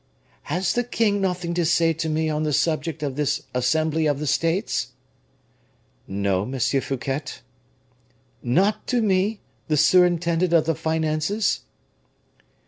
"Has the king nothing to say to me on the subject of this assembly of the States?" "No, Monsieur Fouquet." "Not to me, the surintendant of the finances?"